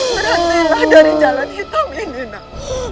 berhentilah dari jalan hitam ini nak